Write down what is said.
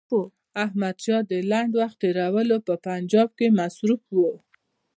احمدشاه د لنډ وخت تېرولو په پنجاب کې مصروف وو.